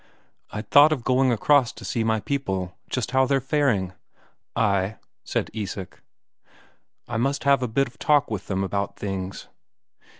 "I'd thought of going across to see my people, just how they're faring." "Ay," said Isak. "I must have a bit of talk with them about things."